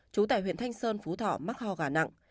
trú tại huyện thanh sơn phú thọ mắc ho gà nặng